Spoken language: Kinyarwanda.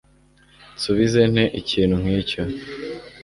Nsubiza nte ikintu nkicyo?